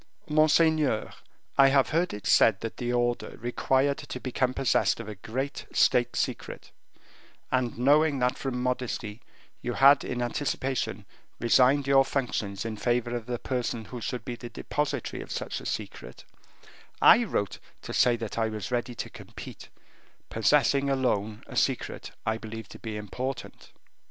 "Monseigneur, I have heard it said that the order required to become possessed of a great state secret, and knowing that from modesty you had in anticipation resigned your functions in favor of the person who should be the depositary of such a secret, I wrote to say that I was ready to compete, possessing alone a secret I believe to be important."